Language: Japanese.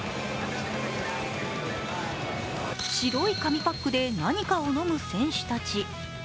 白い紙パックで何かを飲む選手たち。